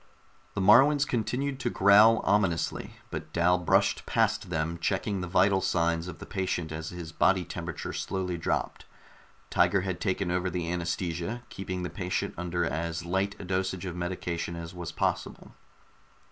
The Moruans continued to growl ominously, but Dal brushed past them, checking the vital signs of the patient as his body temperature slowly dropped. Tiger had taken over the anaesthesia, keeping the patient under as light a dosage of medication as was possible.